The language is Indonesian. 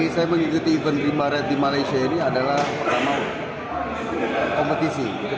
saya mengikuti event rimba rate di malaysia ini adalah pertama kompetisi